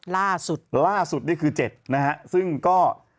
ล่าสุดล่าสุดนี่คือเจ็ดนะฮะซึ่งก็